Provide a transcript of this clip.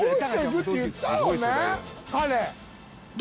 彼。